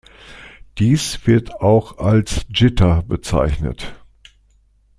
Dies wird auch als Jitter bezeichnet.